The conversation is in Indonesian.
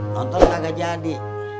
nonton kagak jadi